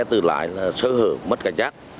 tự lái sơ hở mất cảnh giác